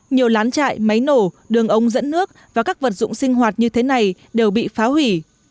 nhiều lán chạy máy nổ đường ống dẫn nước và các vật dụng sinh hoạt như thế này đều bị phá hủy